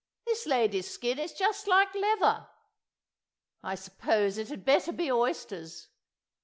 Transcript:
this lady's skin is just like leather. ... I suppose it had better be oysters.